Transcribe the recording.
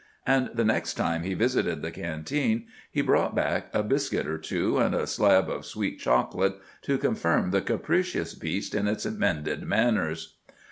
And the next time he visited the canteen he brought back a biscuit or two and a slab of sweet chocolate, to confirm the capricious beast in its mended manners.